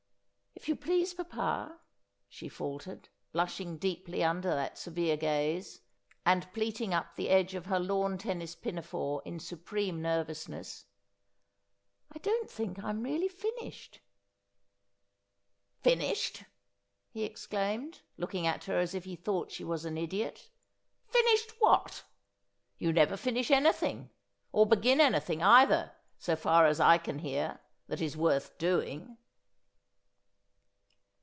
' If you please, papa,' she faltered, blushing deeply under that severe gaze, and pleating up the edge of her lawn tennis pinafore in supreme nervousness, ' I don't think I'm really finished.' ' Finished !' he exclaimed, looking at her as if he thought she was an idiot. ' Finished what ? You never finish anything, or begin anything either, so far as I can hear, that is worth doing.'